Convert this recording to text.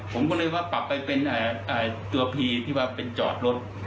ผมก็เลยว่าปรับไปเป็นตัวพีที่ว่าเป็นจอดรถ